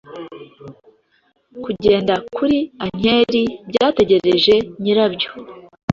Kugenda kuri ankeri byategereje nyirabyo